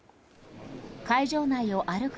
会場内を歩く